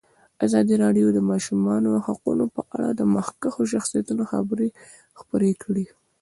ازادي راډیو د د ماشومانو حقونه په اړه د مخکښو شخصیتونو خبرې خپرې کړي.